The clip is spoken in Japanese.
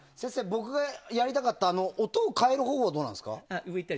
僕がやりたかった、音を変えるほうはどうなんですか？